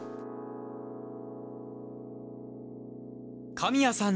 神谷さん